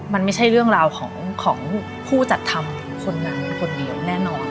มันไม่ใช่เรื่องราวของผู้จัดทำคนนั้นคนเดียวแน่นอน